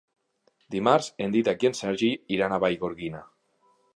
Dimarts en Dídac i en Sergi iran a Vallgorguina.